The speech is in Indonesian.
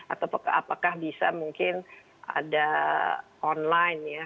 atau apakah bisa mungkin ada online ya